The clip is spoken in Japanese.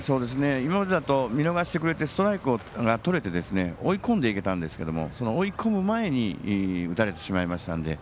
今までだと見逃してくれてストライクをとれて追い込んでいけたんですけど追い込む前に打たれてしまいましたんで。